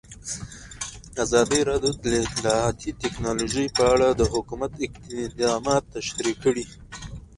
ازادي راډیو د اطلاعاتی تکنالوژي په اړه د حکومت اقدامات تشریح کړي.